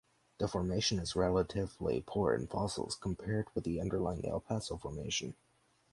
The formation is relatively poor in fossils compared with the underlying El Paso Formation.